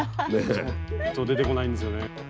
ちょっと出てこないんですよね。